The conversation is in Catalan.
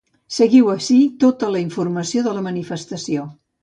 Seguiu ací tota la informació de la manifestació.